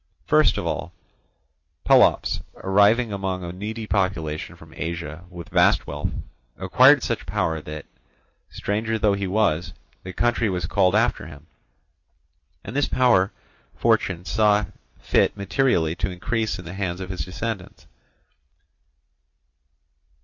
First of all Pelops, arriving among a needy population from Asia with vast wealth, acquired such power that, stranger though he was, the country was called after him; and this power fortune saw fit materially to increase in the hands of his descendants.